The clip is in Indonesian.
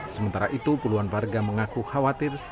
sementara itu puluhan warga mengaku khawatir